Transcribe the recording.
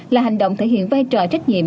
là hành động thể hiện vai trò trách nhiệm